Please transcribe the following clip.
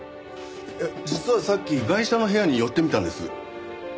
実はさっきガイシャの部屋に寄ってみたんです。